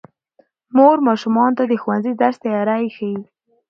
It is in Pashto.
مور ماشومانو ته د ښوونځي د درس تیاری ښيي